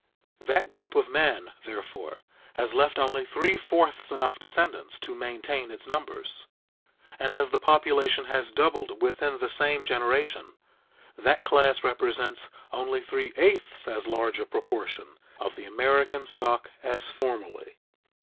That group of men, therefore, has left only three fourths enough descendants to maintain its numbers, and as the population has doubled within the same generation, that class represents only three eighths as large a proportion of the American stock as formerly.